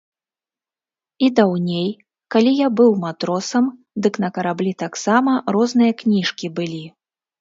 І даўней, калі я быў матросам, дык на караблі таксама розныя кніжкі былі.